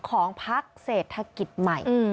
ของพักเศรษฐกิจใหม่